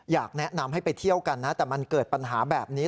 อยากแนะนำให้ไปเที่ยวกันนะแต่มันเกิดปัญหาแบบนี้